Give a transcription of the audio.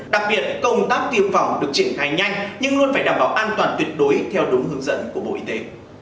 đặc biệt công tác tiêm phòng được triển khai nhanh nhưng luôn phải đảm bảo an toàn tuyệt đối theo đúng hướng dẫn của bộ y tế